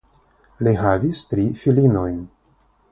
Li havis tri filinojn.